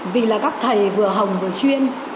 vì là các thầy vừa hồng vừa chuyên